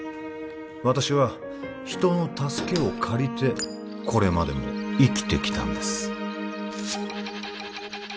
私は人の助けを借りてこれまでも生きてきたんです